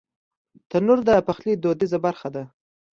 تنور د پخلي دودیزه برخه ده